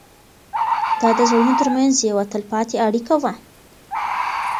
دا د زړونو تر منځ یوه تلپاتې اړیکه وه.